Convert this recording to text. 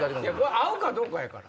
合うかどうかやから。